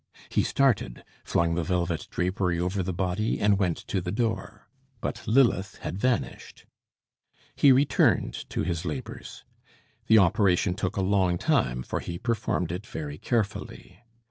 He started, flung the velvet drapery over the body, and went to the door. But Lilith had vanished. He returned to his labours. The operation took a long time, for he performed it very carefully.